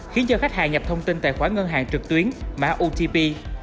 khiến cho khách hàng nhập thông tin tài khoản ngân hàng trực tuyến mã otp